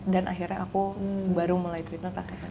dan akhirnya aku baru mulai treatment pakai smp